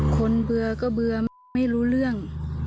เบื่อก็เบื่อไม่รู้เรื่อง